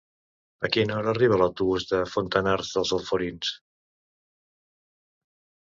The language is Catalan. A quina hora arriba l'autobús de Fontanars dels Alforins?